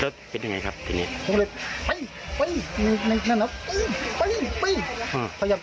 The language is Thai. สิ่งงาน